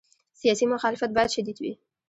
سیاسي مخالفت باید شدید وي.